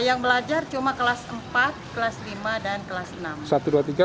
yang belajar cuma kelas empat kelas lima dan kelas enam